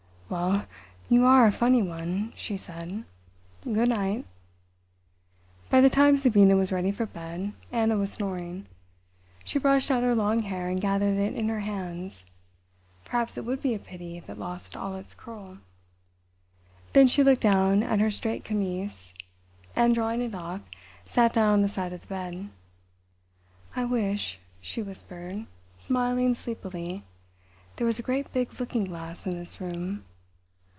"Well, you are a funny one," she said. "Good night." By the time Sabina was ready for bed Anna was snoring. She brushed out her long hair and gathered it in her hands.... Perhaps it would be a pity if it lost all its curl. Then she looked down at her straight chemise, and drawing it off, sat down on the side of the bed. "I wish," she whispered, smiling sleepily, "there was a great big looking glass in this room."